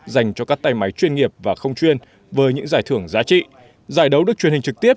dành cho các tay máy chuyên nghiệp và không chuyên với những giải thưởng giá trị giải đấu được truyền hình trực tiếp